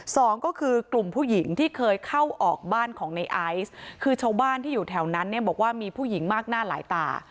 สองก็คือกลุ่มผู้หญิงที่เคยเข้าออกบ้านของในไอซ์คือชาวบ้านที่อยู่แถวนั้นเนี่ยบอกว่ามีผู้หญิงมากหน้าหลายตา